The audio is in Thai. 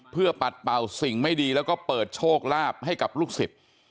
เพื่อปัดเป่าสิ่งไม่ดีแล้วก็เปิดโชคลาภให้กับลูกศิษย์